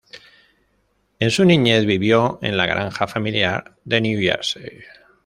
En su niñez vivió en la granja familiar de New Jersey.